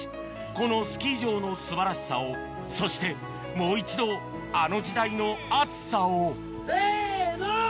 このスキー場の素晴らしさをそしてもう一度あの時代の熱さをせの！